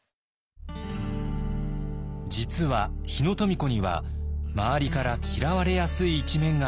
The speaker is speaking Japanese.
実は日野富子には周りから嫌われやすい一面がありました。